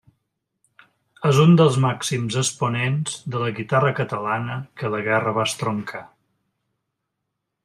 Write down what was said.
És un dels màxims exponents de la guitarra catalana que la guerra va estroncar.